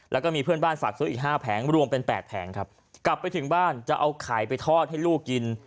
แล้วก็มีเพื่อนบ้านฝากซื้ออีกห้าแผงรวมเป็นแปดแผงครับกลับไปถึงบ้านจะเอาไข่ไปทอดให้ลูกกิน